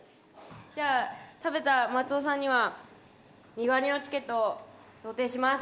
じゃあ食べた松尾さんには身代わりのチケットを贈呈します。